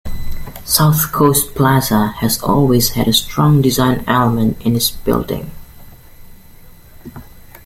South Coast Plaza has always had a strong design element in its building.